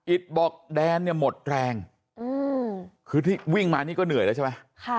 บอกแดนเนี่ยหมดแรงคือที่วิ่งมานี่ก็เหนื่อยแล้วใช่ไหม